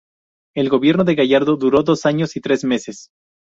El gobierno de Gallardo duró dos años y tres meses.